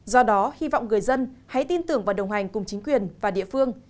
do đó hy vọng người dân hãy tin tưởng và đồng hành cùng chính quyền và địa phương